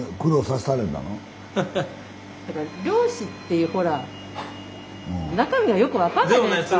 漁師っていうほら中身はよく分かんないじゃないですか。